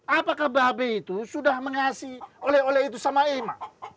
apakah mba be itu sudah mengasih oleh oleh itu sama ema